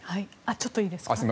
ちょっといいですか。